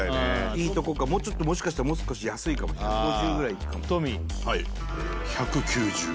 いいとこかもうちょっともしかしたらもう少し安いかも１５０ぐらいいくかもトミーはいええ１９０円